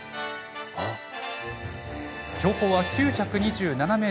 標高は９２７ｍ。